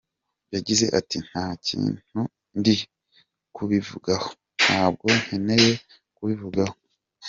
Yagize ati “Nta kintu ndi kubivugaho, ntabwo nkeneye kubivugaho.